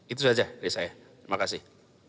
itu saja dari saya terima kasih